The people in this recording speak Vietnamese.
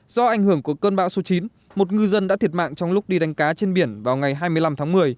do ảnh hưởng của cơn bão số chín một ngư dân đã thiệt mạng trong lúc đi đánh cá trên biển vào ngày hai mươi năm tháng một mươi